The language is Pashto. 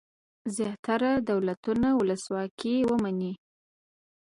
زیاتره دولتونه ولسواکي ومني.